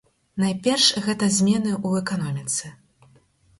Найперш гэта змены ў эканоміцы.